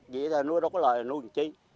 vậy thì nuôi đâu có lợi nuôi làm chi